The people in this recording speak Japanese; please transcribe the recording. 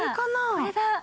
これだ！